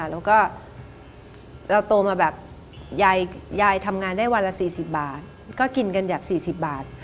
แล้วก็เราโตมาแบบยายทำงานได้วันละ๔๐บาทก็กินกันแบบ๔๐บาท